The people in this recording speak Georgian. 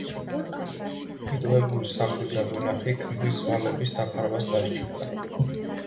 მიტოვებული სახლი და ვენახი ქმრის ვალების დაფარვას დასჭირდა.